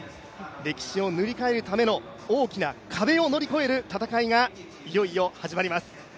歴史を塗り替えるための大きな壁を乗り越える戦いがいよいよ始まります。